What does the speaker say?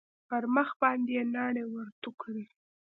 پر مخ باندې يې ناړې ورتو کړې.